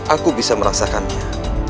aku bisa merasakannya